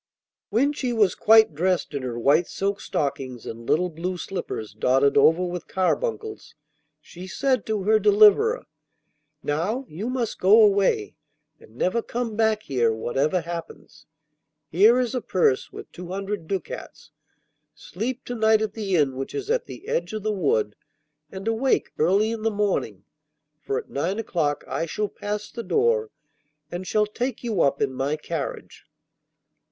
When she was quite dressed in her white silk stockings and little blue slippers dotted over with carbuncles, she said to her deliverer, 'Now you must go away, and never come back here, whatever happens. Here is a purse with two hundred ducats. Sleep to night at the inn which is at the edge of the wood, and awake early in the morning: for at nine o'clock I shall pass the door, and shall take you up in my carriage.